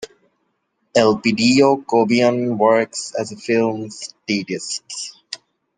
Elpidio Cobian works as a film statist.